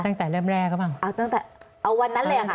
ตั้งแต่เริ่มแรกครับวันนั้นเลยค่ะ